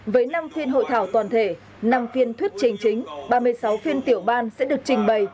với năm phiên hội thảo toàn thể năm phiên thuyết trình chính ba mươi sáu phiên tiểu ban sẽ được trình bày